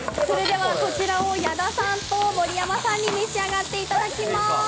それでは矢田さんと盛山さんに召し上がっていただきます。